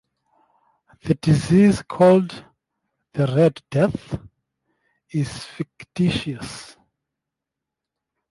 The disease called the Red Death is fictitious.